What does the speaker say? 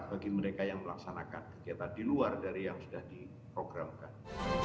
bagi mereka yang melaksanakan kegiatan di luar dari yang sudah diprogramkan